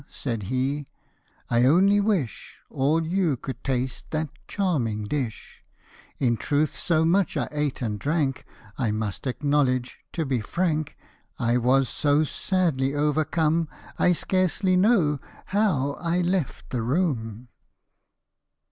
" said he, " I only wish All you could taste that charming dish ; In truth so much I ate and drank, I must acknowledge, to be frank, 18 I was so sadly overcome, I scarce know how I left the room."